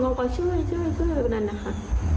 ก่อนนั้นเนี่ยค่ะว่าไฮเซียแบบนั้นแล้วเขาก็ช่วยแบบนั้นนะค่ะ